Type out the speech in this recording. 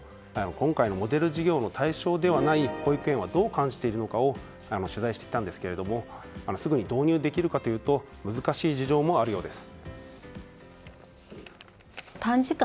今回のモデル事業の対象ではない保育園はどう感じているのか取材してきたんですがすぐに導入できるかというと難しい事情もあるようです。